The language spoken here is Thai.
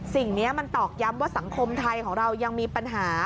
สิ่งนี้มันตอกย้ำว่าสังคมไทยของเรายังมีปัญหา